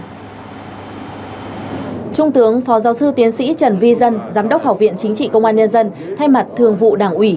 trung tướng phó giáo sư tiến sĩ trần vi dân giám đốc học viện chính trị công an nhân dân thay mặt thường vụ đảng ủy